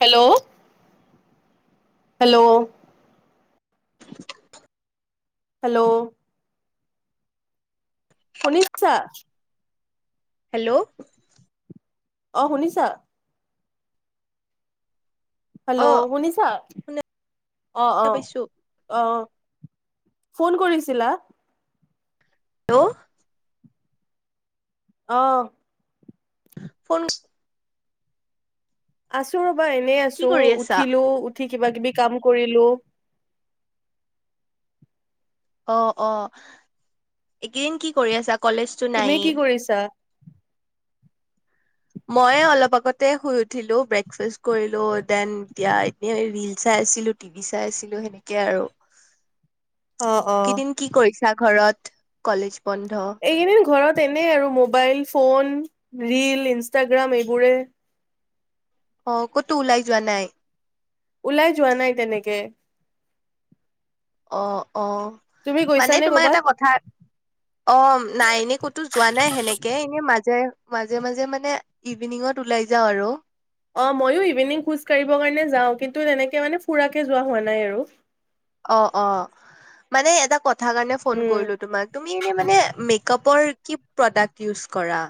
Hello hello hello শুনিছা? Hello অ', শুনিছা? হেল্ল, অ শুনিছা? শুনা অ', অ', পাইছো অ'। ফোন কৰিছিলা? হেল্ল' অ'। ফোন আছোঁ‌, [unintelligible] বা এনেই কি আছোঁ, কৰি আছা উঠিলোঁ উঠি কিবা কিবি কাম কৰিলোঁ। অ', অ', এইকেইদিন কি কৰি আছা? কলেজতো তুমি নাইয়ে কি কৰিছা? মই অলপ আগতে শুই উঠিলোঁ, ব্ৰেকফাষ্ট কৰিলোঁ, দেন এতিয়া এনে ৰীল চাই আছিলোঁ, টিভি চাই আছিলোঁ, সেনেকে আৰু। অ অ কিদিন কি কৰি [unintelligible] ঘৰত কলেজ বন্ধ এইকিদিন ঘৰত তেনে আৰু মোবাইল, ফোন, ৰীল, ইনষ্টাগ্ৰাম, এইবোৰে। অ', ক'তো ওলাই যোৱা নাই? ওলাই যোৱা নাই তেনেকে। অ'। অ', তুমি মানে গৈছানে তোমাৰ কৰ'বাত এটা কথা, অ', নাই এনে ক'তো যোৱা নাই, সেনেকে এনে মাজে মাজে, মাজে মানে ইভিনিঙত ওলাই যাওঁ আৰু। অ', ময়ো ইভিনিং খোজ কাঢ়িব কাৰণে যাওঁ, কিন্তু তেনেকে মানে ফুৰাকে যোৱা হোৱা নাই আৰু। অ', অ', মানে এটা কথ কথা কাৰণে ফোন উম কৰিলোঁ তোমাক, তুমি এনে মানে মেকাপৰ কি প্ৰডাক্ট ইউজ কৰা?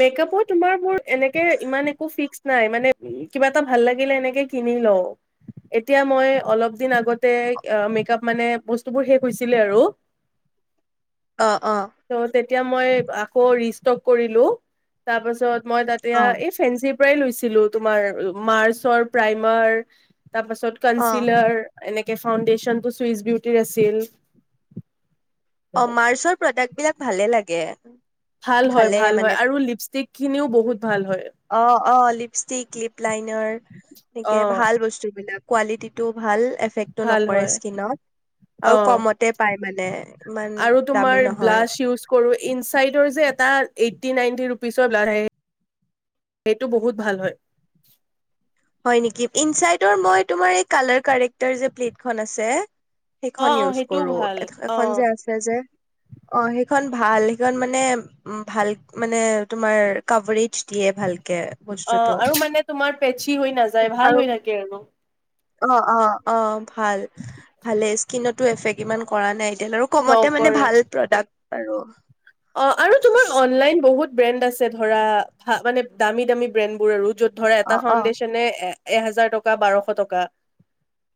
মেকআপৰ তোমাৰ মোৰ এনেকে ইমান একো ফিক্স নাই, মানে কিবা এটা ভাল লাগিলে এনেকে কিনি লওঁ, এতিয়া মই অলপ দিন আগতে আ, মেকআপ মানে বস্তুবোৰ শেষ‌ হৈছিলে আৰু। অ অৱ। এতিয়া মই আকৌ ৰিষ্টক কৰিলো। তাৰ পাছত মই তাতেয়া অ এই ফেঞ্চিপ পৰাই লৈছিলো তোমাৰ মাৰ্চৰ প্ৰাইমাৰ তাৰপাছত কনচিলাৰ এনেক কে ফাউডেশ্যনটো চুইচ বিউটিৰ আছিল। অ মাৰ্চৰ প্ৰডাক্ট বিলাক ভালে লাগে। ভাল হয় ভালে ভাল মানে হয় আৰু লিপষ্টিক খিনিও বহুত ভাল হয় অ অ লিপষ্টিক, লিপ লাইনাৰ অ এনেকে ভাল বস্তু বিলাক। কোৱালিটিটো ভাল এফেক্টো ভাল নকৰে হয় স্কিনত, আৰু অ কমতে পায় মানে ইমান আৰু তোমাৰ দামী নহয়। ব্লাছ ইউজ কৰো ইনচাইডৰ যে এটা এইটটি নাইনটি ৰুপিচৰ ব্লাচ আহে সেইটো বহুত ভাল হয়। হয় নেকি? ইনচাইডৰ মই তোমাৰ এই কালাৰ কৰেক্টৰ প্লেটখন আছে অ সেইখন অ ইউজ সেইটোও কৰো ভাল অ এখন যে আছে যে, অ সেইখন ভাল সেইখন মানে উ ভাল মানে তোমাৰ কভৰিত দিয়ে ভালকে বস্তুটো। টি হৈ নাযায় ভাল আৰু হৈ থাকে আৰু। অ অ অ অ ভাল ভালে স্কিনত টো এফেক্ট ইমান কৰা নাই এনেও আৰু কমতে মানে নকৰে ভাল প্ৰডাক্ট আৰু অ আৰু তোমাৰ অনলাইন বহুত ব্ৰেণ্ড আছে ধৰা মানে দামী দামী ব্ৰেণ্ড বোৰ আৰু য'ত ধৰে অ এটা অ ফাউণ্ডেশ্যনে এ এহেজাৰ টকা বাৰশ টকা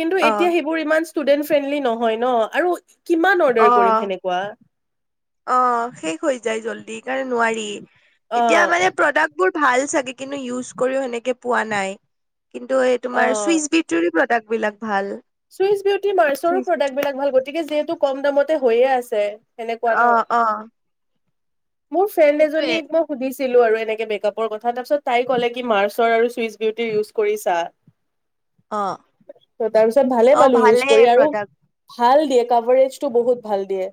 কিন্তু অ এতিয়া সেইবোৰ ইমান ষ্টুডেন্ট ফ্ৰেণ্ডলি নহয় ন আৰু কিমান অৰ্ডাৰ অ কৰিম সেনেকুৱা অ শেষ হৈ যায় জল্দি সে কাৰণে নোৱাৰি অ এতিয়া মানে প্ৰডাক্ট বোৰ ভাল চাগে কিন্তু ইউজ কৰিও সেনেকে পোৱা নাই। কিন্তু এই তোমাৰ অ চুইচ বি তাক বিলাক ভাল। চুইচ বিউটি মাৰচৰো চুইচ বিউটি প্ৰডাক্ট বিলক ভাল, গতিকে যিহেতু কম দামতে হৈয়ে আছে। সেনেকুৱা ন। অ অহ। মোৰ ফ্ৰেণ্ড এজনীক মই সুধিছো ছিলো আৰু এনেকে মেক আপৰ কথা তাৰ পিছত তাই ক'লে কি মাৰ্চৰ আৰু চুইচ বিউটি ইউজ কৰি চা। অ। ত ভালে অ পালো ইউজ কৰি আৰু প্ৰডাক্ট ভাল। দিয়ে কভাৰেজ টো বহুত ভাল দিয়ে।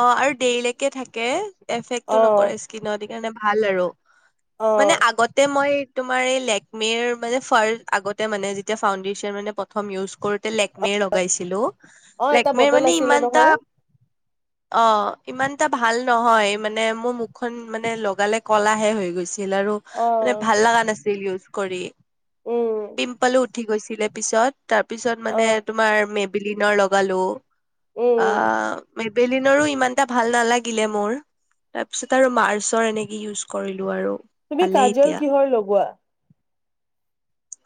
অ আৰু দেৰিলৈকে থাকে এফেক্টটো অ নকৰে স্কিনত সেইকাৰণে ভাল আৰু। অ মানে আগতে মই তো মাৰ এই লেকমিৰ মানে ফাৰ আগতে মানে যেতিয়া ফাউডেশচন মানে প্ৰথম ইউজ লেকমিৰ লগাইছিলো অ এটা লেকমিৰ বটল মানে আছিলে ইমানটা নহয় অ ইমান এটা ভাল নহয় মানে মোৰ মুখখন মানে লগালে কলাহে হৈ গৈছে ছিল আৰু অ মানে ভাল লগা নাছিল। ইউজ কৰি উম পিম্পল উ উঠি গৈছিলে পিছত। তাৰপিছত অ মানে তোমাৰ মেপ বিলিনৰ লগালো। উম অ ম। নৰো ইমানটা ভাল নালাগিলে মোৰ। তাৰ পিছত আৰু মাৰ্চৰ এনেকে ইউজ কৰিলো আৰু। তুমি ভালেই কাজল এতিয়া। কিহৰ লগোৱা?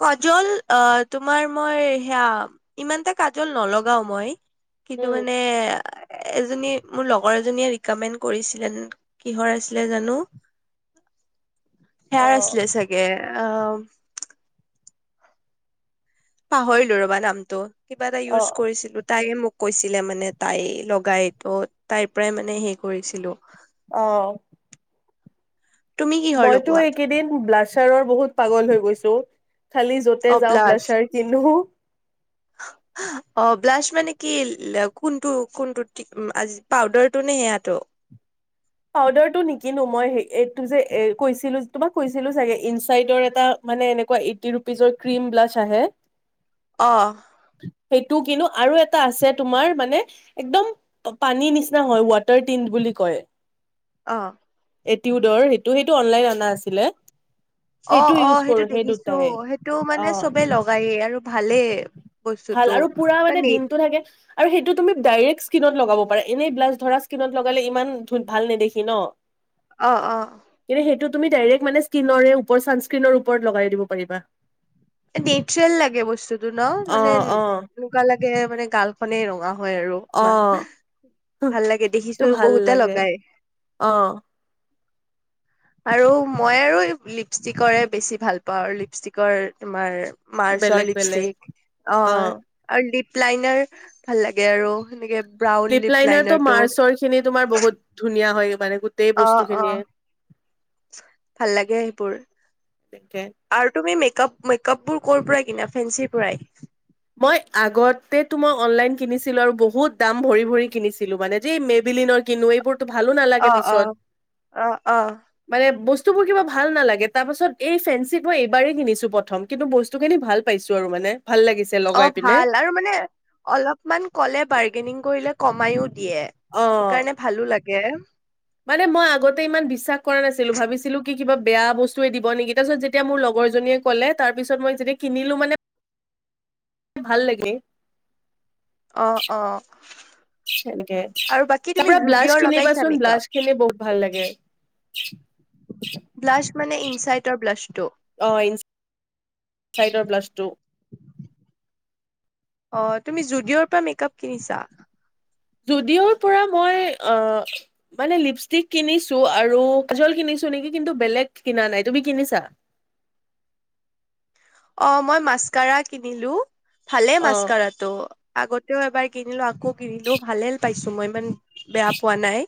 কাজল আহ তোমাৰ মই সেয়া ইমানটা কাজল নলগাও মই। কিন্তু উম মানে এজনী মোৰ লগৰ এজনীয়ে ৰিকামেণ্ড কৰিছিলে, কিহৰ আছিলে জানো? অ হেৱাৰ আছিলে চাগে। অ পাহৰিলো ৰবা নামটো। কিবা এটা অ ইউজ কৰিছিলো, তাইে মোক- কৈছিলে মানে তাই লগাই তো তাইৰ পৰাই মানে হে কৰিছিলো। আহ তুমি কিহৰ মইতো লগোৱা এইকেইদিন ব্লা- -আচাৰৰ বহুত পাগল হৈ গৈছো। খালি যতে অ যাও ব্লাছ ব্লাছাৰ কিনো। অ ব্লাছ মানে কি কোনটো কোনটো টি আজি পাউদাৰটো নে সেয়াতটো? পাউদাৰটো নিকিনো মই এই এইটো যে কৈছিলো যে তোমাক কৈছিলো চাগে ইনচাইডঅৰ এটা মানে এনেকোৱা এইট্টি ৰুপিচৰ ক্ৰিম ব্লাছ আহে। অ। সেইটো কিন্তু আৰু এটা আছে তোমাৰ মানে একদম পানীৰ নিচিনা হয় ৱাটাৰ টিণ্ট বুলি কয়। অ' এটিউডৰ সেইটো সেইটো অনলাইন অনা আছিলে। অ সেইটো অ ইউজ কৰো সেইটো সেই দেখিছো দুটাই সেইটো অ মানে চবে লগায়েই আৰু। ভালে। ভাল আৰু পুৰা মানে দিনটো থাকে আৰু সেইটো তুমি ডাইৰেক্ট- স্কীনত লগাব পাৰে এনেই ব্লাছ ধৰা স্কিনত লগালে ইমান ধ ভাল নেদখি ন। অ, অ। কিন্তু সেইটো তুমি ডাইৰেক্ট মানে স্কিনৰ ছান স্কিনৰ ওপৰত লগাই দিব পাৰিবা। নেচৰেল লাগে বস্তুতটো। টু ন মানে অ', অ', এনেকুৱা লাগে। মানে গাল খনেই ৰঙা। য় আৰু ইমান অ', ভাল লাগে টো দেখিছো ভাল বহুতে লাগে লগাই। অ', আৰু মই আৰু লিপষ্টিকৰে বেছি ভাল পাওঁ আৰু লিপষ্টিকৰ- তোমাৰ মাৰ্চ বেলেগ বেলেগ লিপষ্ট্ৰক অ লিপ- প লাইনাৰ ভাল লাগে আৰু সেনেকে ব্ৰাউন লিপ লাইনাৰটো। তোমাৰ বহুত ধুনীয়া হয় মানে। গোটেই অ বস্তু অ খিনিয়ে ভাল লাগে সেইবোৰ তেনেকে। আৰু তুমি মে কাপ কাপবোৰ কৰৰ পৰাই কিনা ফেঞ্চিৰ পৰাই। মই আগতেতো মই অনলাইন কিনিছিলো আৰু বহুত দাম ভৰি ভৰি কিনিছিলো মানে যে মেভিলিনৰ কিনো এইবোৰ ত ভালো নালাগে অ অ পিচত অ অ মানে বস্তু বোৰ কিবা ভাল নালাগে তাৰ পাছত এই ফেঞ্চিত মই এইবাৰেই কিনিছো প্ৰথম কিন্তু বস্তু খিনি ভাল পাইছো আৰু মানে ভাল লাগে। অ ভাল আৰু মানে অলপমান কলে বাৰ্গেনিং কৰিলে কমাইও দিয়ে অ', সেইকাৰণে ভালো লাগে। কে মানে মই আগতে ইমান বিশ্বাস কৰা নাছিলোঁ ভাবিছিলো কি কিবা বেয়া বস্তুৱে দিব নেকি তাৰপিছত যেতিয়া মোৰ লগৰ জনীয়ে কলে তাৰ লপিছত মই যেতিয়া কিনিলোঁ মানে, ভাল লাগে। অ', অ, সেনেকে, আৰু বাকী তাৰ তুমি পৰা ব্লাস জুডিঅ'ৰ লগাইছা কিনিবাচোন মেকআপ ব্লাস খিনি বহুত ভাল লাগে। ব্লাছ মানে ইনচাইটৰ ব্লাছটো। অ', ইনচ চাইডৰ ব্লাসটো। অ', তুমি জুডিঅ'ৰ পৰা মেকআপ কিনিছা? যুদিঅ'ৰ পৰা মই মানে আহ, লিপষ্টিক কিনিছোঁ আৰু কাজল কিনিছো কিন্তু বেলেগ কিনা নাই, তুমি কিনিছা? অ', মই মাছকাৰা কিনিলোঁ। ভালে অ মাছকাৰাটো। আগতেও এবাৰ কিনিলো আকৌ কিনিলো ভালেই পাইছ [unintelligible] বেয়া পোৱা নাই,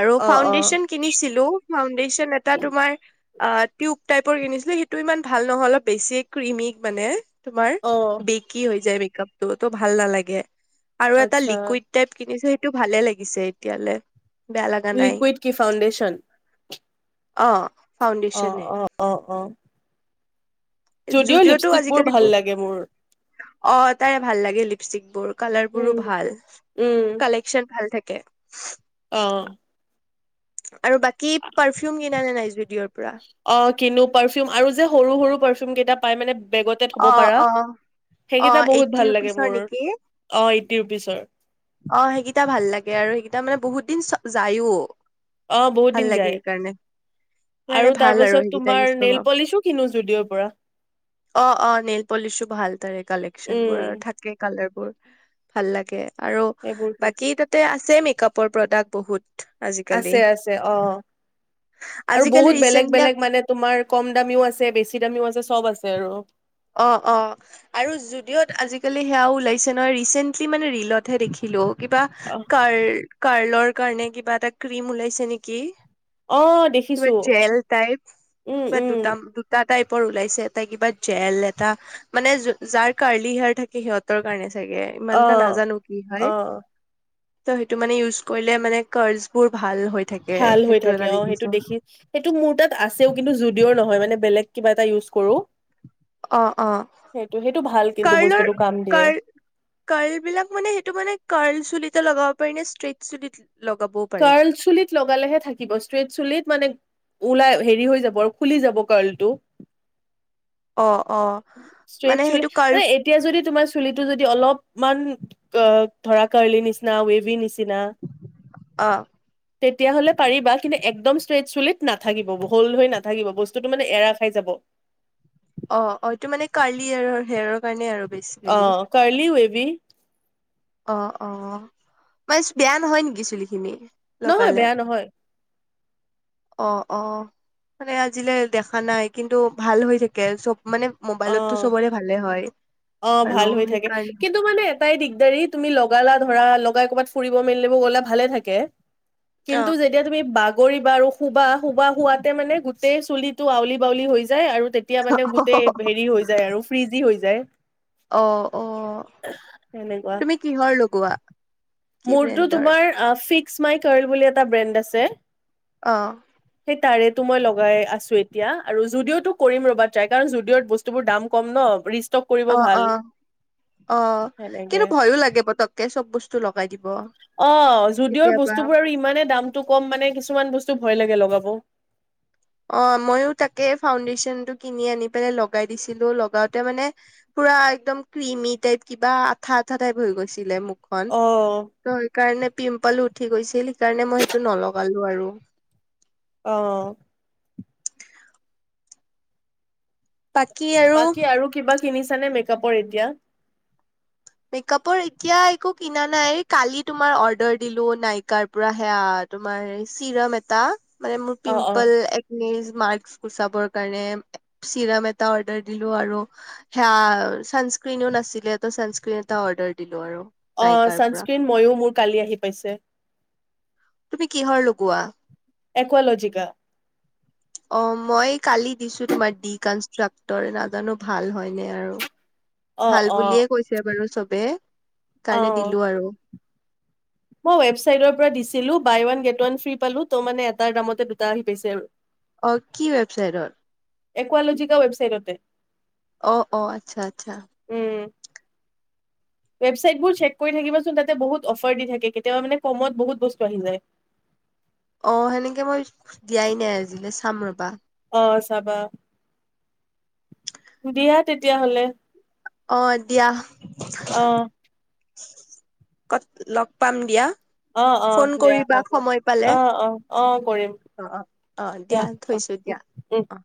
আৰু অ অ ফাউণ্ডেশ্যন কিনিছিলোঁ ফাউণ্ডেশ্যন এটা তোমাৰ অক, টিউব টাইপৰ কিনিছিলোঁ সেইটো ইমান ভাল নহয় অলপ বেছি কৃমিক মানে। তোমাৰ, অ বেকি হৈ যায় বে টোতো ভাল ন লাগে [inaudible] আৰু এটা আচ্ছা লিকুইড টাইপ কিনিছো সটো ভালে লাগিছে এতিয়ালৈ লিকুইড কি ফাউণ্ডেছন? অঁ। অ' অ' অ' অ'। যদিঅ' জুডিঅ'টো লিপষ্টিকবোৰ আজিকালি ভাল লাগে মোৰ। অ' তাইৰ ভাল লাগে লিপষ্টিক বোৰ। কালাৰ বোৰো উম ভাল কালেকন ভাল থাক কে অঁ। আৰু বাকী পাৰফিউম কিনা নে নাই জুডিঅ'ৰ পৰা অ কিনো পাৰফিউম আৰু যে সৰু- সৰু পাৰফিউম কেইটা পাই মানে বেগতে থব অ', পাৰা, অ', অ', সেইকেইটা বহুত এইটটি ভাল লাগে ৰুপিচৰ মোৰ নেকি অ টি ৰুপিছৰ অ সেইকেইটা ভাল লাগে আৰু সেইকেইটা মানে বহুত দিন যায়ো। অ বহুত ভাল দিন লাগে যায় সেইকাৰণে, সেইকাৰণে তাৰ ভাল আৰু পাছত সেইগিটা তোমাৰ কিছুমান নেইল বাও। পলিচো কিনো জুডিঅ'ৰ পৰা অ অ নেল পলিচো ভাল তাৰে কালেকচন উম বোৰ থাকে কালাৰ বোৰ, ভাল লাগে। আৰু সেইবোৰ বাকী তাতে আছ চে মেকআপৰ প্ৰডাক্ট বহুত। আজিকালি আছে-আছে অ' আৰু আজিকালি বহুত বেলেগ- ৰিচেন্টলি বেলেগ মানে তোমাৰ কম দামীও আছে বেছি দামীও আছে চব আছে আৰু। অ সেয়াও ওলাইছে নহয়, ৰিচেন্টলি মানে ৰিলতহে দেখিলো। কিবা অ কাৰ কাৰ্লৰ কাৰণে কিবা এটা ক্ৰিম ওলাইছে নেকি। অ কিবা দেখিছো জেল টাইপ উম কিবা উম দুটা- দুটা টাইপৰ ওলাইছে এটা কিবা জেল এটা মানে যাৰ কাৰ্লি হেয়াৰ থাকে সিহঁতৰ কাৰণে চ চাগে অ ইমানটা নাজানো কি অ হয়। ত' সেইটো মানে ইউজ কৰিলে মানে কাৰ্লছ বোৰ ভা ভাল হৈ থাকে, অ' সেইটো দেখি সেইটো মোৰ তাত আছেও কিন্তু জুুডিওৰ নহয় মানে বেলেগ কিবা এটা ইউজ কৰো। অ'-অ' সেইটো সেইটো ভাল কিন্তু কাৰ্লৰ বস্তুটো কাম দিয়ে কাৰ কাৰ্ল বিলাক মানে সেইটো মানে কাৰ্ল চুলিত তে লগা পাৰি নে ষ্ট্ৰেট চুুলিত কাৰ্ল চুলিত লগালেহে থাকিব, ষ্ট্ৰেট চুলিত মানে ওলাই হেৰি হৈ যাব আৰু খুলি যাব কাৰ্লটো। অ', অ', ষ্ট্ৰেট মানে চুলিত সেইটো আৰে কাৰ মানে এতিয়া যদি তোমাৰ চুলিটো যদি অলপ ইমান অ ধৰা কাৰলি নিচিনা ৱেভি নিচিনা অ'। তেতিয়া হ'লে পাৰিবা, কিন্তু একদম ষ্ট্ৰেইট চুলিত নাথাকিব হ'ল্ড হৈ নাথাকিব বস্তুটো মানে এৰা খাই যাব। অ'-অ' এইটো মানে কাৰ্লি হেয়াৰৰ কাৰণে আৰু। বেচিকেলি অ' কাৰ্লি ৱেভি। অ'-অ' [unintelligible] বেয়া নহয় নেকি চুলিখিনি। নহয় লগালে বেয়া নহয়। অ'- অ', মানে আজিলে দেখা নাই কিন্তু ভাল হৈ থাকে চব মানে অ মোবাইলতটো চবৰে ভালে হয় অ আৰু ভাল হৈ থাকে সেইকাৰণে। কিন্তু মানে এটাই দিগদাৰী তুমি লগালা ধৰা লগাই ক'ৰবাত ফুৰিব মেলিব গ'লে ভালে থাকে অ', কিন্তু যেতিয়া তুমি বা -গৰিবা আৰু শুবা- শুবা শোৱাতে মানে গোটেই চুলিটো আউলি বাউলি হৈ যায় আৰু তেতিয়া মানে গোটেই হেৰি হৈ যায় আৰু ফ্ৰিজি হৈ -য় অ অ সেনেকুৱা তুমি কিহৰ লগোৱা কি মোৰতো ব্ৰেণ্ডৰ তোমাৰ ফিক্স মাই কাৰ্ল বুলি এটা ব্ৰেণ্ড আছে অ সেই তাৰেটো মই লগাই আছো এতিয়া আৰু যুদিঅটো কৰিম ৰ'বা ট্ৰাই কাৰণ যুদিঅত বস্তু বোৰ দাম কম ন কৰিব অ ভাল অ অ সেনেকে কিন্তু ভয়ো লাগে পতককে চব বস্- -স্তু লগাই দিব অ যুদিঅৰ কেতিয়াবা বস্তুবোৰ আৰু ইমানে দামটো কম মানে কিছুমান বস্তু ভয় লাগে লগাব অ ময়ো তাকে ফাউণ্ডেচন টো কিনি আনি পেলাই লগাই দিছিলো লগাওতে মানে পুৰা একদম ক্ৰিমি টাইপ কিবা আঠা আঠা টাইপ হৈ গৈছিলে মুখখন অ ত সেই কাৰণে পিম্পল উঠি গৈছিল সেইকাৰণে মই সেইটো নলগালো আৰু অ বাকী আৰু কিনিছা নে মেকআপৰ এতিয়া মেকাপৰ এতিয়া একো কিনা নাই বুলি কালি তোমাৰ অৰ্ডাৰ দিলোঁ নাইকাৰ পৰা সেয়া তোমাৰ চিৰাম এটা মানে মোৰ অ অ পিম্পল একনিজ মাৰ্কছ গুচাবৰ কাৰণে চিৰাম এটা অৰ্ডাৰ দিলোঁ আৰু সেয়া চানস্ক্ৰীণ ও নাছিলে চানস্ক্ৰী- -ক্ৰীণ এটা অৰ্ডাৰ দিলো অ পৰা চানস্ক্ৰীণ ময়ো মোৰ কালি আহি পাইছে তুমি কিহৰ লগোৱা একোৱালজিকা অ মই কালি দিছো তোমাৰ ডি কনষ্ট্ৰাক্টৰ নাজানো ভাল হয়নে আৰু অ ভাল অ বুলিয়ে কৈছে বাৰু চব- -বে অ কাৰণে দিলো আৰু মই ৱেবছাইদৰ পৰা দিছিলোঁ buy one get one free পালোঁ ত মানে এটাৰ দামতে দুটা আহি পাইছে আৰু অ কি ৱেবছাইটত। একুৱালজিকা ৱেবচাইডটে। অ অ আচ্ছা আচ্ছা। ৱেবছাটবোৰ চেক কৰি থাকিব চোন তাতে মানে বহুত অফাৰ দি থাকে কেতিয়াবা মানে কমত বহুত আহি যায়। অ সেনেকে মই দিয়াই নাই আজিলেচ। চাম ৰ'বা। অ চাবা, দিয়া তেতিয়াহ'লে। অ দিয়া। অ ক'ত লগ পাম দিয়া অ', ফোন অ', দিয়া কৰিবা হ'ব, সময় পালে অ', অ', অ', কৰিম অ অ অ দিয়া উ, থৈছো উ, দিয়া উম। অ